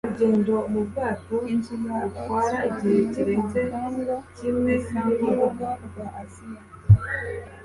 Inzu ya Oxford muri Hong Kong isa nkurugo rwa Aziya